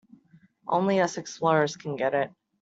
Only us explorers can get it.